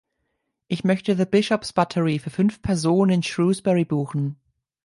Ich möchte The Bishops Buttery für fünf Personen in Shrewsbury buchen.